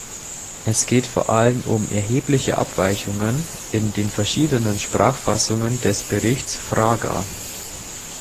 Es geht vor allem um erhebliche Abweichungen in den verschiedenen Sprachfassungen des Berichts Fraga.